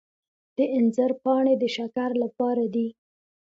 د انځر پاڼې د شکر لپاره دي.